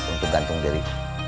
untuk gantung diri